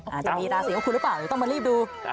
หากจะมีราศีด๊วงคุณหรือเปล่านายต้องมารีบดู